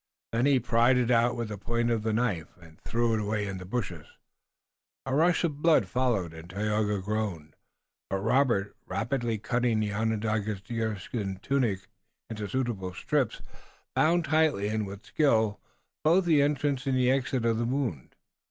Then he pried it out with the point of the knife, and threw it away in the bushes. A rush of blood followed and Tayoga groaned, but Robert, rapidly cutting the Onondaga's deerskin tunic into suitable strips, bound tightly and with skill both the entrance and the exit of the wound.